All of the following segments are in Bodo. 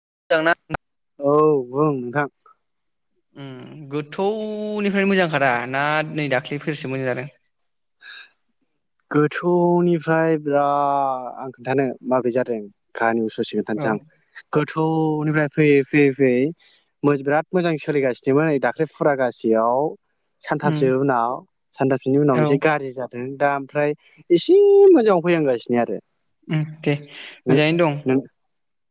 [unintelligible] औ बुं नोंथां उम गोथौनिफ्राय मोजां खादा ना नै दाख्लैफोरसो मोजां जादों गोथौनिफ्राय बिराद आं खोन्थानो माब्रै जादों काहानिउस ससे औ खोन्थानसै आं गोथौ निफ्राय फैयै फैयै फैयै बिराद मोजां सोलिगासिनोमोन ओइ दाख्लै फुरागासेयाव उम सानथामसो उनाव सानथामसोनि औ उनाव एसे गाज्रि जादों। दाम ओमफ्राय एसे मोजाङाव फैहांगासिनो आरो। उम दे नों मोजाङैनो दं। नों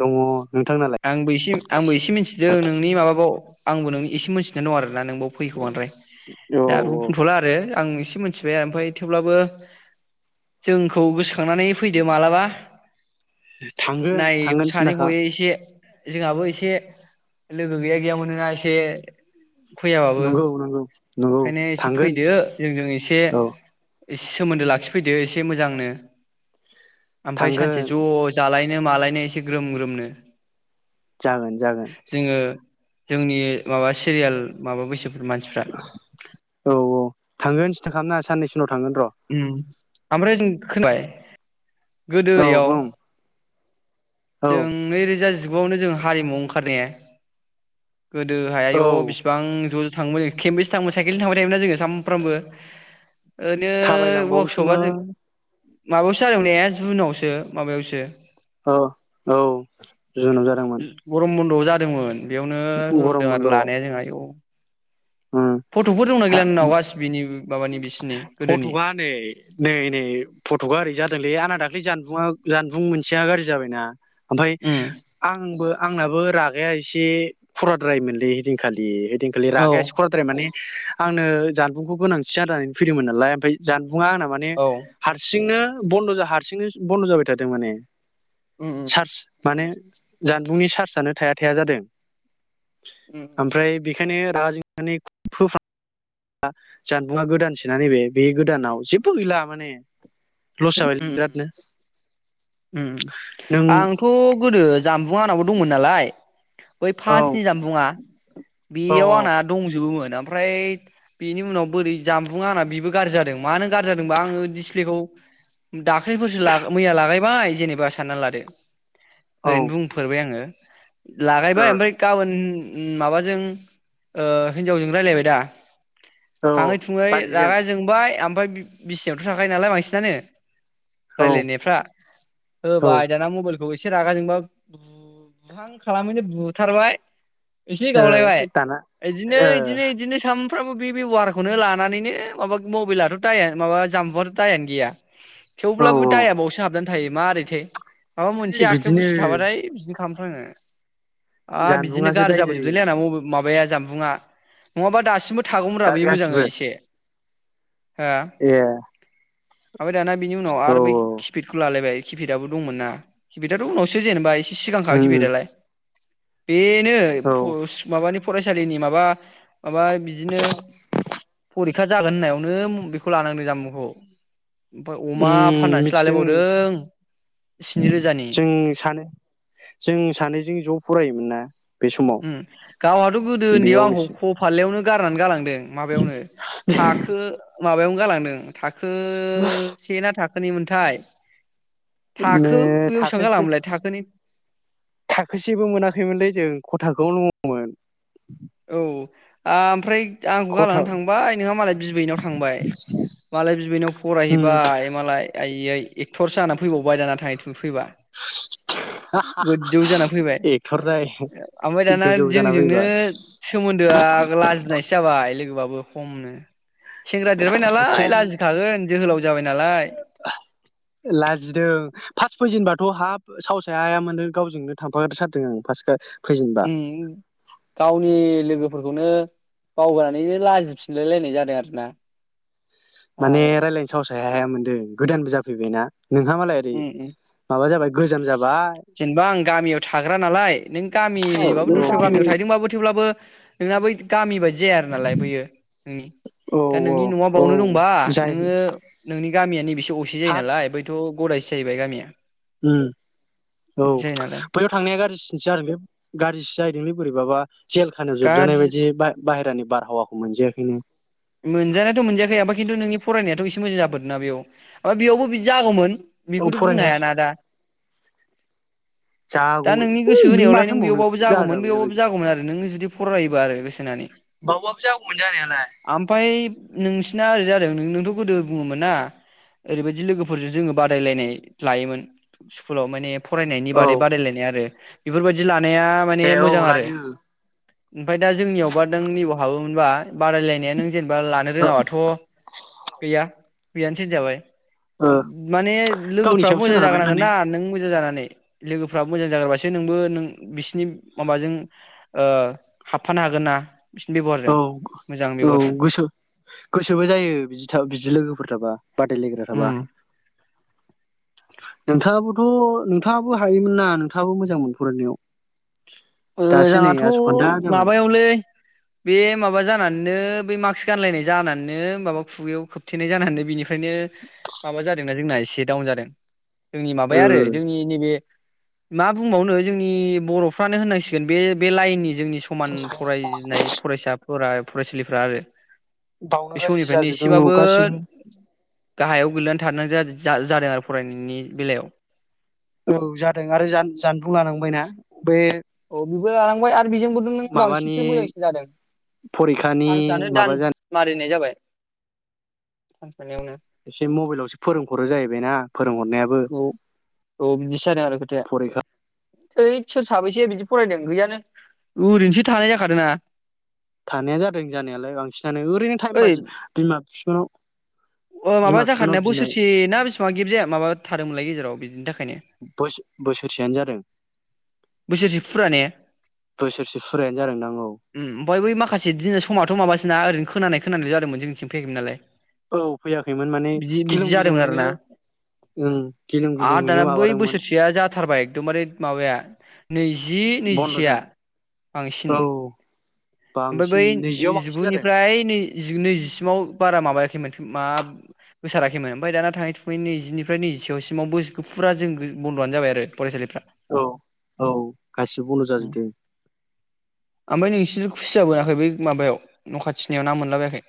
दङ। नोंथांनालाय आंबो एसे आंबो एसे मिथिदों नोंनि माबाबाव आंबो नोंनि एसे मोनथिनाय दं आरो [unintelligible] बांद्राय औ दा आं औ बुंथ'ला आरो आं मिथिबाय ओमफ्राय थेवब्लाबो जोंखौ गोसोखांनानै फैदो मालाबा थांगोन नाय थांगोन सानै सिन्थाखा हय एसे। जोंहाबो एसे लोगो गैया गैया मोनोना एसे फैयाबाबो नंगौ नंगौ। नंगौ ओंखायनो एसे थांगोन फैदो जोंजों एसे औ एसे सोमोन्दो लाखिफैदो एसे मोजांनो। ओमफ्राय सानसे थांगोन ज' जालाय मालायनो एसे ग्रोम ग्रोमनो। जागोन जागोन। जोङो जोंनि माबा सिरियाल माबा बैसो मानसिफ्रा औ औ थांगोन सिन्था खालानाङा। उम ओमफ्राय जों खोनाबाय। गोदो औ इयाव। बुं औ जों नै रोजा जि जुगावनो जों हारिमुआव ओंखारनाया। गोदोहाय आयौ औ बेसेबां ज'-ज' थांबाय खेबबेसे थांबाय साइकेलजों थांबाय थायोमोनना जोङो सानफ्रामबो। ओरैनो वार्कसपआव थाबायलांबावोसोमोन जों माबायावसो जादोंमोन ने जुनावसो माबायावसो औ औ जुनाव जादोंमोन। जुनाव जादोंमोन बेयाव नो गरम होदों आरो बन्द'आव लानाया जोंहा आय' उम फटफोर दंना गैला नोंनाव गासिबोनिबो? फटखा नै नै नै फटक ओरै जादोंलै आना दाख्लै जानबुंङा जानबुं मोनसेया गाज्रि जाबायना। ओमफ्राय उम आंबो आंनाबो रागाया एसे खराद्राय मोनलै इदिन खालि दिनखालि औ रागाया सकरद्र माने आंनो जानबुंखौ गोनां गो सि जानानै फैदोंमोन नालाय ओमफ्राय जान बुंङा आंना माने औ हारसिंनो बन्दजा हारसिंनो बन्द जाबाय थादों माने उम उम सार्ज माने जानबुंनि चार्जआनो थाया थाया जादों उम ओमफ्राय बे बेखायनो रागा जोंनानै [unintelligible] जानबुंङा गोदानसोना नैबे बे गोदानाव जेबो गैला माने लस जाबाय बिरादनो उम नों आंथ' गोदो जामबुं आंनावो दंमोन नालाय बै औ फार्सनि जानबुंङा औ बेयाव आंना दंजोबोमोन ओम ओमफ्राय बेनि उनाव बोरै जामबुंङा आंना बेबो गाज्रि जादों मानो गाज्रि जादोंबा आङो डिसप्लेखौ दाखालिफोरसो ला मैया लागायबाय जेनेबा साननानै लादो। औ ओरैनो बुंफोरबाय आङो। लागायबाय ओ ओमफ्राय गाबोन उम माबाजों ओ हिनजावजों रायज्लायबाय दा? औ थाङै थुङै बाजैजों रागा जोंबाय ओम फ्राय बिसियावथ' थाखायो नालाय बांसिनानो। औ रायलायनायफ्रा औ ओ होबाय दाना मबाइल खौ एसे रागा जोंबा बु-बुहां खालामैनो बुथारबाय। एसे गावलायबाय दाना इदिनो ओ इदिनो इदिनो साम सामफ्रामबो बे बेब'हारखौनो लानानैनो माबा मबाइलाथ' दाय माबा जानबुंआथ दायानो गैया। औ थेवब्लाबो औ दाया बावसो हाबनानै थायो। मारैथाय। माबा मोनसे आखायाव बिदिनो बुस्थु थाबाथाय बिदि खालामफ्लाङो। हा बिदिनो जानबुंआसो गारजि दाय जायो जाबोजोबदोंलै आंना [unintelligible] माबाया। जानबुङा नङाबा दासिमबो। थागौमोन रा बियो मोजाङै एसे। एह। ओमफाय दाना बिनि उनाव आरो बै खिफिडखौ लालायबाय। खिफिदआबो दंमोन ना किफिदाथ' उनावसो जेनेबा ए सिगांखा उम खिफिदालाय। बे नों औ फुस माबानि फरासा [unintelligible] माबा माबा बिदिनो फरिखा जागोन होननायावनो बेखौ लानांदों जामुंखौ। ओमफाय अमा उम फाननानैसो मिथिदों लालायबावदों स्नि रोजानि जों सानो जों सानैजों ज' फरायोमोन ना बे समाव गावहाथ' गोदो बेयाव उन्दैयाव एसे आंखौ ख' फाललायावनो। गारनानै गालांदे। माबायावनो थाखो। माबायावनो गालांदों थाखो। ओ से ना था खोनिमोनथाय। थाखो ओ बेसेबां थाखोसे जालांङामोनलाय थाखोनि थाखोसेबो मोनाखैमोनलै जों ख थाखोआवनो दङमोन। औ आमफ्राय। आंखौ खथा गालांनानै थांबाय नोंहा मालाय बिबैनाव थांबाय मालाय बिबैनाव उम फरायहैबाय मालाय आइयै। एक्टर सो जानानै फैबावबाय दाना था फैबा गोजौ जानानै फैबाय एक्टरदाय ओमफ्राय दाना गोजौ जाना जोंजोंनो फैबाय सोमोन्दोआ लाजिनायसो जाबाय लोगो बाबो। खम नो। सेंग्रा देरबाय नालाय खम लाजिखागोन जोहोलाव जाबाय नालाय। लाजिदों फार्स्ट फैजेनबाथ' हाब सावस हाया हाया मोनदों गावजोंनो थांफाथारदों आं फार्स्ट फैजेनबा उम गावनि लोगो। फोरखौनो बावगारनानैनो लाजिफिनलाय लायनाय जादों आरो ना। माने रायलायनो सावस हाया हाया मोनदों गोदानबो जा फैबायना उम उम गोजाम जाबाय जेनेबा आं गामियाव थाग्रा नालाय नों औ गामिनिबाबो दस्रायाव गामियाव थाहैदोंबाबो थेवब्लाबो नोंना बै गामि बाय दि जाया आरो नालाय बैयो उम नोंनि औ दा नोंनि न'आ बावनो औ दंबा जाय नोङो नोंनि गामिया नैबेसो असे जायो हाब नालाय बैथ' गरायसो जाहैबाय गामिया। उम औ बिदि जायो नालाय बैयाव थांनाया गारजिनसो जादों बे गारजिसो जाहैदोंलै बोरैबाबा। जेल खानायाव जोबजानाय गाज्रि बायदि बा बाहेरानि बारहावाखौ मोनजायाखैनो। मोनजानायाथ' मोनजायाखै ओमफ्राय खिन्थु नोंनि फरायनायाथ' एसे मोजां जाबोदों ना बैयाव ओमफ्राय बेयावबो बिदि जागौमोन औ बेखौथ बुंनो फरायनाया हायाना दा। दा जागौ नोंनि गोसो होनायावलाय माथो नों होनबावनो बैयावबाबो जागौमोन जाजाबाय जाबाय बैयावबाबो जागौमोन आरो नोङो जुदि फरायोबा आरो गोसो होनानै। बावबाबो जागौमोन जानायालाय। ओमफाय नोंसिना ओरै जादों नों-नोंथ गोदो बुङोमोन ना ओरैबायदि लोगोफोरजों जोङो बादायलायनाय लायोमोन स्कुलाव माने फरायनायनि बादै औ बादायलायनाय आरो बेफोरबायदि ला नाया माने दे औ मोजां आरो। लायो ओमफाय दा जोंनियावबा नों नैबाव हाबोमोनबा बादायलाय नायानो जेनेबा लानो रोङाबाथ' गैया गैयानसै होनजाबाय। माने गावनि लोगोफ्राबो सायाव मोजां सोनारबाय जागोरनांगोन माने ना नों मोजां जानानै। लोगोफ्रा मोजां जाग्रोबासो नोंबो नों बिसिनि माबाजों ओह हाबफानो हागोन ना। बिसिनि बेब'हारजों औ मोजां औ बेब'हारजों गोसो-गोसोबो जायो बिदि थाब बिदि लोगोफोर थाबा बादायलायग्रा थाबा। नोंथाङाबोथ नोंथाङाबो हायोमोन ना नोंथाङाबो मोजांमोन फरायनायाव। दासो नै मोजाङाथ बे आस'खान्दा जाबाय माबायावलै बे माबा जानानैनो बै मास्क गानलायनाय जानानैनो माबा खुगायाव खोबथेनाय जानानैनो बेनिफ्रायनो माबा जादोंना जोंना एसे दाउन जादों। जोंनि माबाया आरो जोंनि नैबे मा बुंबावनो जोंनि बर'फ्रानो होननांसि गोन बे बे लाइननि जि जोंनि समान फरायनाय फरायसाफोरा फरायसालिफ्रा आरो। बावनो गारजि समनिफ्रायनो जाजोबदों औ एसेबाबो गासिबो। गाहायाव गोलैनानै थानाय जाजि जा-जादों आरो फरायनायनि बेलायाव। औ जादों आरो जान-जानबुं लानांबायना। बे औ बेबो लालांबाय आरो बेजोंबोथ' नों माबानि बांसिनसो मोजांसिन जादों फरिखानि सान्सआनो माबा दान्स जानो मारिनाय जाबाय [unintelligible] यावनो एसे मबाइलावसो फोरोंहरो जाहैबायना फोरोंहरनायाबो औ औ बिदिसो जादों आरो खोथाया? फरिखा थै सोर साबैसेया बिदि फरायदों गैयानो ओरैनोसो थानाय जाखादों ना? थानाया जादों जानायालाय बांसिनानो ओरैनो टाइम फास बिमा फिफानाव अ माबा जाखारनाया बोसोरसे ना बेसिबा गेफ्ट जाया माबा थादोंमोनलाय गेजेराव? [unintelligible] बोसो बोसोरसेयानो जादों बोसोरसे फुरा ने बोसोरसे फुरायानो जादोंदां औ उम ओमफाय बै माखासे दि समथ' माबा सोना ओरैनो खोनानाय खोनानाय जादोंमोन जोंनिथिं फैयाखैमोन नालाय। औ फैयाखैमोन माने बिदि बिदि गिलुं जादोंमोन आरोना गिलुंयैनो ओं गिलुं गिलुंमयैनो माबादोंमोन। दममारि माबाया नैजि बन्द' जा नैजिसेआ बांसिन औ ओमफाय बांसिन बै नैजियाव बांसिन जादों जिगुनिफ्राय नै नैजिसिमाव बारा माबायाखै माथो। माब गोसाराखैमोन ओमफाय दाना थाङै थुङै नैजिनिफ्राय नैजिसेयाव सिमावबो फुरा जों बन्द'आनो जाबाय आरो फरायसालिफ्रा। औ औ गासिबो बन्द जाजोबदों आमफाय नोंसि खुसिया बोनाखै बै माबायाव न' खाथिनियाव ना मोनला बायाखै?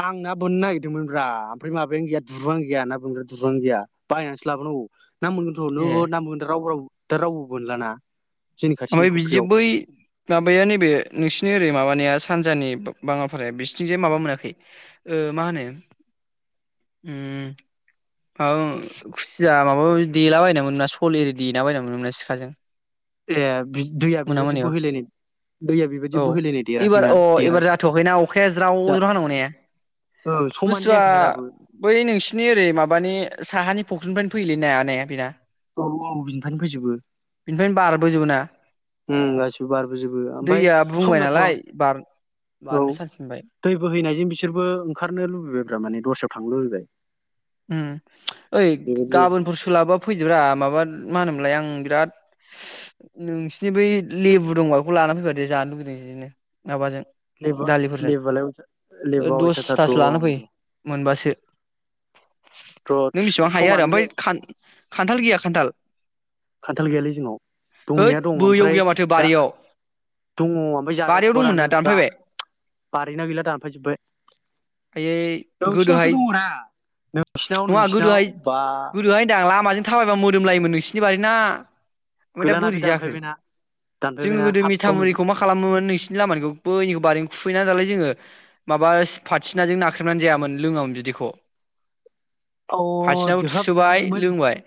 आं ना बोननो नागिरदोंमोनब्रा ओमफ्राय माबायानो गैया दुरुंङानो गैया ना बोनग्रा दुरुङानो गैया बायनानैसो लाबोनांगौ ना ए मोनगोनथ' ना मोनगोन दा रावबो राव दा रावबो बोनला ना। ओमफाय बिदि बै माबाया नैबे नोंसिनि ओरै माबानाया सानजानि बाङाफाराया बिसोरथिंजाय माबा मोनाखै ओ मा होनो उम आ खुसिया माबा माबि देलाबायनाय मोनो ना सल ओरि देलाबायना मोनोमोना सिखाजों। ए दैया मोना बेबायदि मोनायाव बोहैलायनाय दैया बेबायदि औ बोहैलायनाय एबार देराखैना अ देरा एबार जाथ'वाखैना अखाया ज्राव जा ज्राव हांगौने औ समानो बुस्थुआ जायाखैना दाबो बै नोंसिनि ओरै माबानि साहानि फख्रिनिफ्रायनो फैयैलै नाया नाय बेना? औ औ बिनिफ्रायनो फैजोबो। बेनिफ्रायनो बारबोजोबो ना? उम गासिबो बारबोजोबो आमफाय दैया बुंबाय सम नालाय बार जाथ'वाखै औ बारनो सानफिनबाय दै बोहैनायजों बेसो बिसोरबो ओंखारनो लुबैबायब्रा माने दस्रायाव थां लुबैबाय। उम ओइ बेबायदि गाबोनफोर सोलाबोबा फैदोब्रा माबा मा होनोमोनलाय आं बिराद नोंसिनि बै लेबु दंबा बेखौ लाना फैफादै जानो लुुबैदों जिनो माबाजों लेबा दालिफोरजों लेबालाय ओ लेबा अयथासार दसथासो लाना दं फै मोनबासो। र' नों बेसेबां हायो समा आरो आमफाय मिलाय बै खा खान्थाल गैया खान्थाल? खान्थाल गैयालै जोंनाव हैद दंनाया दं बैयाव ओमफ्राय गैया माथो जा बारियाव दङ ओमफाय बारियाव जाजाथ'वा दंमोन ना दानो जा दानफायबाय बारिना गैला दानफाय जोबबाय। आइयै गोदोहाय दङना नोंसिनाव नङा नोंसिनाव गोदोहाय बा गोदोहाय होनदां लामाजों थाबायबा मोदोमलायोमोन नोंसिनि बारि ना ओमफाय दा गैलाना बे बोरै जाखो दानफायबायना जोङो दानफायबायना गोदो हाब बावनो मिथामुरिखौ मा खालामोमोन नोंसिनि लामानिखौ बैनिखौ बारिनिखौ खुफैना दालाय जोङो माबा फाथिनाजों नाख्रेबनानै जायामोन लोङामोन बिदिख' अ फासिनाखौ थुसोबाय लोंबाय।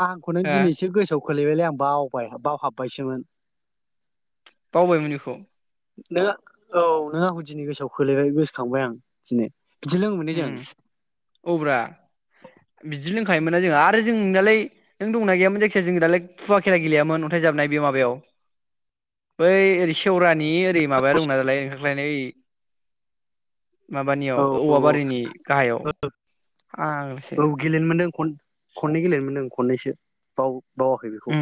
आंंखौनो हो दिनैसो गोसोआव खोलैबायलाय आं बावबाय बाव हाबबायसोमोन। बावबाय मोन इखौ। नोंङो औ नों आंखौ दिनै गोसोआव खोलैबाय गोसोखांबाय आं दिनै। बिदि लोङोमोनलै जों उम औ ब्रा बिदि लोंखायोमोन ना जोंहा आरो जों दालाय नों दंना गैयामोन जायखिजाया जों दालाय फुवा खेला गेलेयामोन अन्थाइजाबनाय बे माबायाव बै ओरै सेेवरानि ओरै माबाया दं ना दालाय ओंखारख्लायनाय माबानियाव औ औवा बारिनि गाहायाव आ आंसै नोखन खनै गेलेयोमोन ओं खननैसो बाव बावाखै बेखौ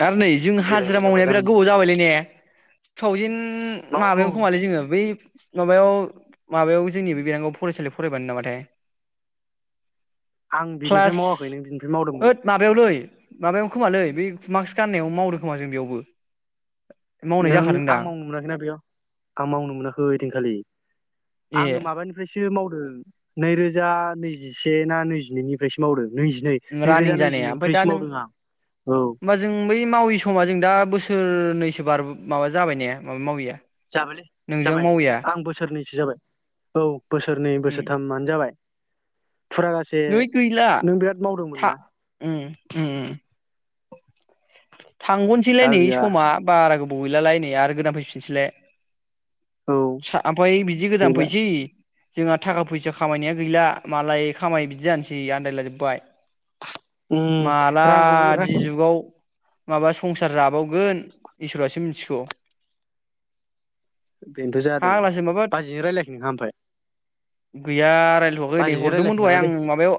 दा आरो नै जों गेलेनो हाजिरा मोनदों मावनाया बिराद मोजांनो गोबाव जाबायलै ने टु थावजेेन औ औ माबायाव खोमालै जोङो बै माबायाव माबायाव जोंनि बे बिङाव फरायसालियाव फरायबानो नामाथाय। आं बिनिफ्राय मावाखै नों बिनिफ्राय मावदोंमोन। बायावलै माबायाव खोमालै बेै मास्क गाननायाव मावदो खोमा जों बेयावबो। मावनाय नों जाखादों आं दां मावनो मोनाखैना बेयाव आं मावनो मोनाखै ओइ दिनखालि ए आङो माब्लानिफ्राय सो मावदों नैरोजा नैजिसे ना नैजिनैनिफ्रायसो मावदों। नैजिनै रानिं नैरोजा जानाया ओमफाय दा नैजिनैनिफ्रायसो नों मावदों आं औ होमबा जों बै मावै समा जों दा बोसोर नैसो बार माबा जाबाय ने माबा मावैया जाबायलै जाबाय आं बोसोरनैसो जाबाय औ बोसोरनै उम बोसोरथामानो जाबाय। फुरागासे नै गैला नों बिराद मावदोंमोन ना? उम दा थांग'नोसैलाय नै गैया समा बारा गोबाव बयलालाय नै आरो गोदान फैफिननोसैलाय औ सा ओमफ्राय बिदि गोदान गैला फैसि जोंहा थाखा फैसा खामायनाया गैला मालाय खामाय बिदि जानोसै आन्दायला जोबबाय उम रांखौबो रां मालादि जुगाव माबा संसार जाबावगोन इसोरासो मिथिगौ बेनोथ' जादों फाग्लासो माबा बाजैजों रायज्लायाखै नोंहा ओमफाय? गैया रायलायथवाखै नै हर दहाय आं नामालै माबायाव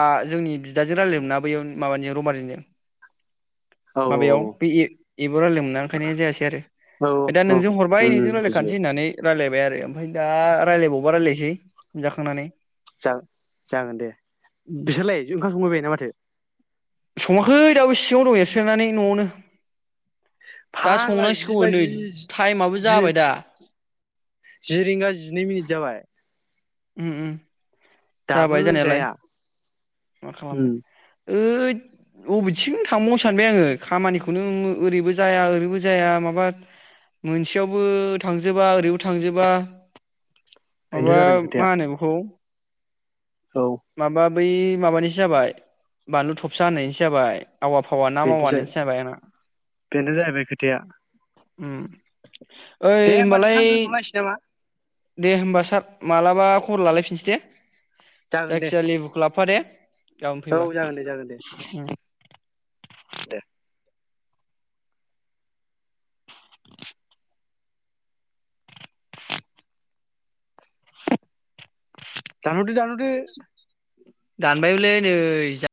आ जोंनि बिदाजों रायलायोमोन ना बैयाव माबानि रमारिनिजों औ माबायाव बे एब एबावबो रायजलायनो मोना ओंखायनो जायासै आरो औ दा औ नोंजों हरबाय उम नोंजों बुजिबाय रायलायखानोसै होननानै बे आरो ओमफ्राय दा रायज्लायबावबा रायज्लायसै जाखांनानै जागोन जागोन दे बिसोरलाय ओंखाम संहैबाय ना माथो सङाखै दाबो सिङाव दं एरसोनानै न'आवनो दा फाग्ला जि संनांसिगौ नै बाजि टाइमाबो जि जाबाय दा जि रिंगा जिनै मिनिट जाबाय ओम ओम दाबो जाबाय जानायालाय जाया मा उम खालामनो ओद अबेथिं थांबावनो सानबाय आङो खामानिखौनो ओरैबो जाया ओरैबो जाया माबा मोनसेयावबो थांजोबा ओरैबो थांजोबा बेनोथ' माबा जादों मा खोथाया होनो बेखौ औ माबा बै माबानिसो जाबाय बानलु थबसा होनायनिसो जाबाय आबा फावा ना बेनोथ' जा मावानिसो जाबाय आंना बेनो जाहैबाय खोथाया ओम ओइ दे होमबा नोंथां होनबालाय दोनथ'लायसै नामा दे होमबा सार मालाबा खबर लालायफिनसै दे जागोन दे जायखि जाया लिबुखौ लाब [unintelligible] गाबोन औ फैबा जागोन दे जागोन दे ओम दे दानहरदो दानहरदो [unintelligible] दानबायबोलै नै जा